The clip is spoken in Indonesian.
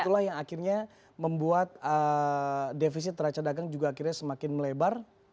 itulah yang akhirnya membuat defisit raca dagang juga akhirnya semakin melebar